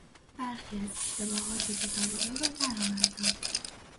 برخی از اشتباهات کتاب او را درآوردم.